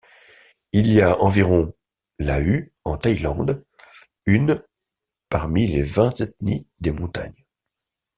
Il y a environ Lahu en Thaïlande, une parmi les vingt ethnies des montagnes.